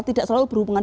tidak selalu berhubungan